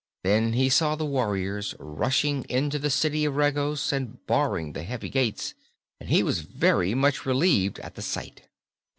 Then he saw the warriors rushing into the City of Regos and barring the heavy gates, and he was very much relieved at the sight.